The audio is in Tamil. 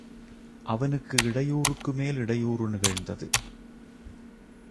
அவனுக்கு இடையூறுக்குமேல் இடையூறு நிகழ்ந்தது.